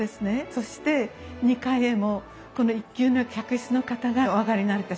そして２階へもこの１級の客室の方がお上がりになれた仕組みになってました。